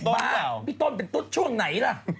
พี่ต้นเป็นตุ๊ดช่วงไหนล่ะ